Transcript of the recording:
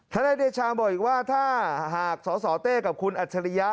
นายเดชาบอกอีกว่าถ้าหากสสเต้กับคุณอัจฉริยะ